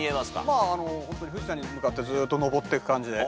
まあホントに富士山に向かってずっとのぼっていく感じで。